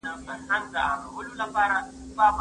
خپل ځان له هر ډول بدو او خطرناکو کارونو څخه وساتئ.